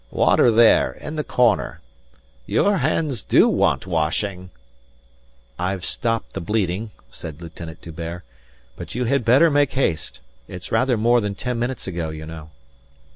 "Water there in the corner. Your hands do want washing." "I've stopped the bleeding," said Lieutenant D'Hubert. "But you had better make haste. It's rather more than ten minutes ago, you know."